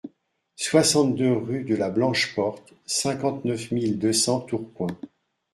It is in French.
soixante-deux rue de la Blanche Porte, cinquante-neuf mille deux cents Tourcoing